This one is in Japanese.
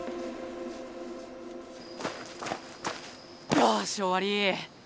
よしおわり！